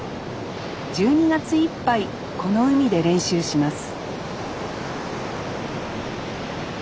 １２月いっぱいこの海で練習します